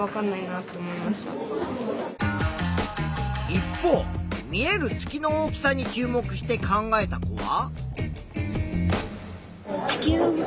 一方見える月の大きさに注目して考えた子は。